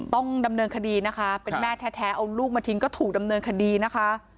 ต้องดำเนินคดีนะคะเป็นแม่แท้เอาลูกมาทิ้งก็ถูกดำเนินคดีนะคะ